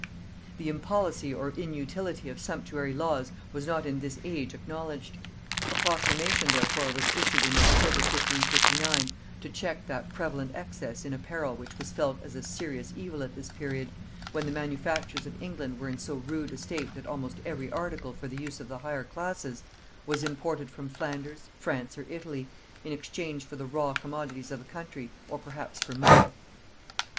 The impolicy or inutility of sumptuary laws was not in this age acknowledged. A proclamation therefore was issued in October 1559 to check that prevalent excess in apparel which was felt as a serious evil at this period, when the manufactures of England were in so rude a state that almost every article for the use of the higher classes was imported from Flanders, France, or Italy, in exchange for the raw commodities of the country, or perhaps for money.